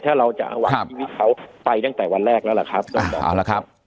ถ้าเราจะหวังชีวิตเขาไปตั้งแต่วันแรกแล้วล่ะครับ